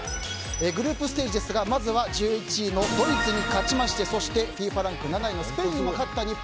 グループステージですがまず１１位のドイツに勝ちましてそしてＦＩＦＡランク７位のスペインにも勝った日本。